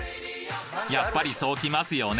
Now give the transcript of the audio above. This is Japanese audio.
・やっぱりそうきますよね